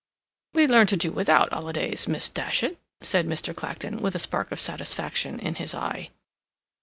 "We learn to do without holidays, Miss Datchet," said Mr. Clacton, with a spark of satisfaction in his eye.